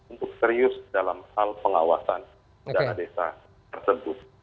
untuk serius dalam hal pengawasan dana desa tersebut